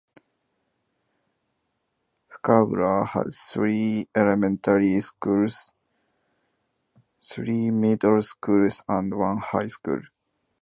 Fukaura has three elementary schools, three middle schools and one high school.